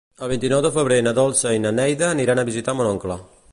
El vint-i-nou de febrer na Dolça i na Neida aniran a visitar mon oncle.